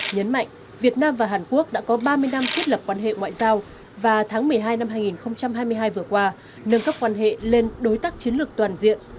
nhấn mạnh việt nam và hàn quốc đã có ba mươi năm thiết lập quan hệ ngoại giao và tháng một mươi hai năm hai nghìn hai mươi hai vừa qua nâng cấp quan hệ lên đối tác chiến lược toàn diện